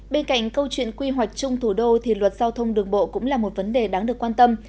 bên cạnh câu chuyện quy hoạch chung thủ đô thì luật giao thông đường bộ cũng là một vấn đề đáng được quan tâm